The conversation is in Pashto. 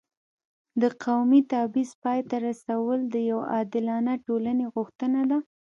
د قومي تبعیض پای ته رسول د یو عادلانه ټولنې غوښتنه ده.